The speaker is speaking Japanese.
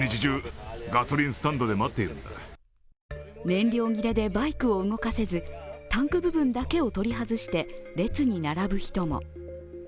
燃料切れでバイクを動かせずタンク部分だけを取り外して列に並ぶ人も。